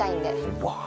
うわ。